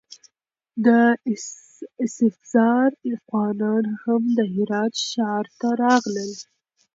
د اسفزار افغانان هم د هرات ښار ته راغلل.